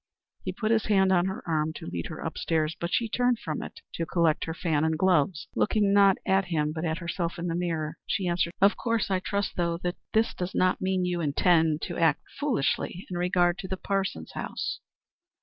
He put his hand on her arm to lead her upstairs, but she turned from it to collect her fan and gloves. Looking, not at him, but at herself in the mirror, she answered, "Of course. I trust, though, that this does not mean you intend to act foolishly in regard to the Parsons house."